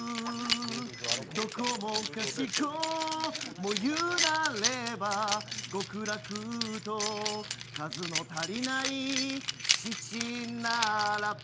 どこもかしこも言うなれば極楽と数の足りない七並べ。